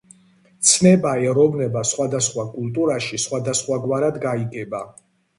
ცნება „ეროვნება“ სხვადასხვა კულტურაში სხვადასხვაგვარად გაიგება.